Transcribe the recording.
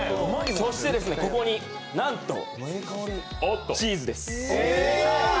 そして、ここになんと、チーズです。